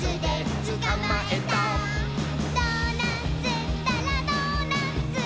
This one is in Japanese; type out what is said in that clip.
「ドーナツったらドーナツ！」